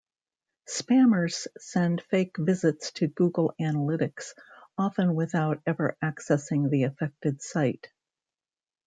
Spammers send fake visits to Google Analytics, often without ever accessing the affected site.